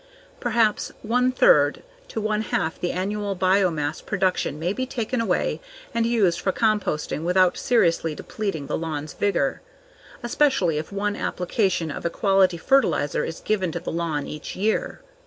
Perhaps one third to one half the annual biomass production may be taken away and used for composting without seriously depleting the lawn's vigor especially if one application of a quality fertilizer is given to the lawn each year.